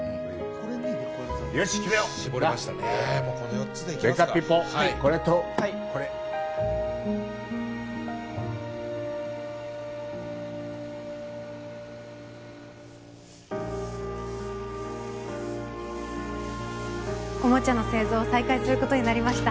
これとこれはいはいおもちゃの製造を再開することになりました